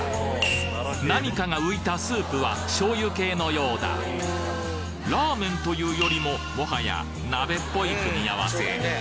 何かが浮いたスープは醤油系のようだラーメンというよりももはや鍋っぽい組み合わせ